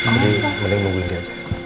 jadi mending nungguin dia aja